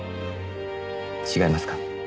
違いますか？